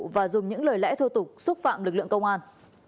và dùng những lời lẽ thô tục xúc phạm lực lượng công an